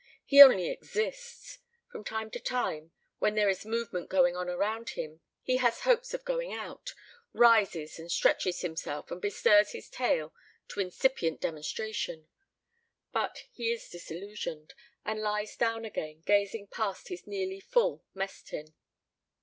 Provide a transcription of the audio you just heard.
He only exists. From time to time, when there is movement going on around him, he has hopes of going out, rises and stretches himself, and bestirs his tail to incipient demonstration. But he is disillusioned, and lies down again, gazing past his nearly full mess tin.